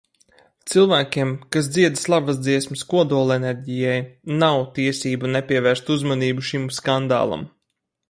Cilvēkiem, kas dzied slavas dziesmas kodolenerģijai, nav tiesību nepievērst uzmanību šim skandālam.